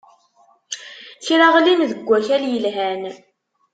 Kra ɣlin deg wakal yelhan.